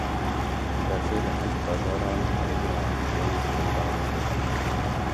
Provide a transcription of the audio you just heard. Berfê li heft bajaran rêya pêncî gundan girt.